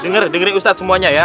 dengar dengar ustadz semuanya ya